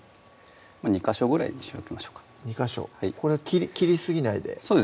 ２ヵ所ぐらいにしておきましょうか２ヵ所これ切りすぎないでそうですね